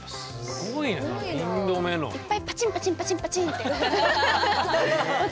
いっぱいパチンパチンパチンパチンって音して。